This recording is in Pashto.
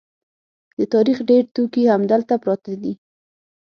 د تاریخ ډېر توکي همدلته پراته دي.